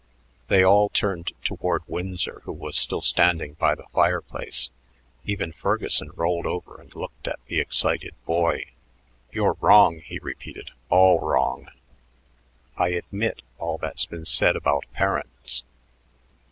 They all turned toward Winsor, who was still standing by the fireplace; even Ferguson rolled over and looked at the excited boy. "You're wrong," he repeated, "all wrong. I admit all that's been said about parents.